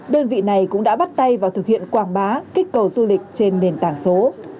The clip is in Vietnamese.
đơn vị này cũng đã bắt tay vào thực hiện quảng bá kích cầu du lịch trên nền tảng số